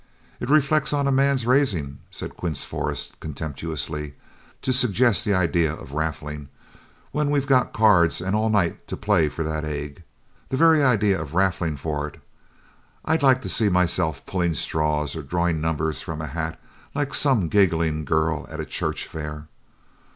"It reflects on any man's raising," said Quince Forrest, contemptuously, "to suggest the idea of raffling, when we've got cards and all night to play for that egg. The very idea of raffling for it! I'd like to see myself pulling straws or drawing numbers from a hat, like some giggling girl at a church fair.